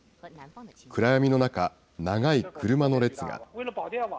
暗闇の中、長い車の列が。